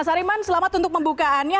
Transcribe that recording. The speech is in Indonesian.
mas hariman selamat untuk membukaannya